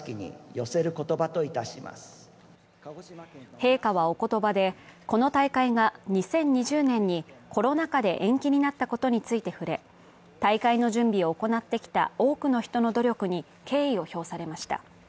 陛下はおことばで、この大会が２０２０年にコロナ禍で延期になったことについて触れ、大会の準備を行ってきた多くの人の努力に敬意を表されました。